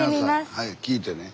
はい聞いてね。